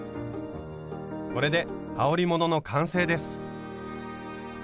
これではおりものの完成です。